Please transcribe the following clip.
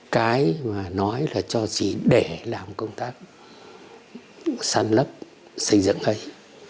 cái mà nói là cho chỉ để làm công tác sản lấp xây dựng ấy